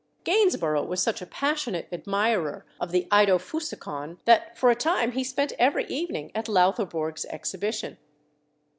Gainsborough was such a passionate admirer of the Eidophusikon that for a time he spent every evening at Loutherbourg's exhibition.